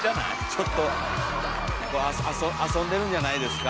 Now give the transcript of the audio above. ちょっと遊んでるんじゃないですか？